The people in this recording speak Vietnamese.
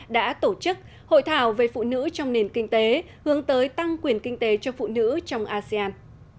đã tổ chức hội thảo về phụ nữ trong nền kinh tế hướng tới tăng quyền kinh tế cho phụ nữ trong asean